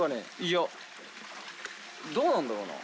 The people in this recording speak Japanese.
いやどうなんだろうな？